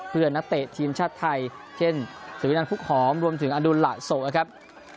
เพื่อนนักเตะทีมชาติไทยเช่นสวินันฟุกหอมรวมถึงอันดูลหละโศกนะครับ